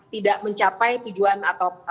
tidak mencapai tujuan atau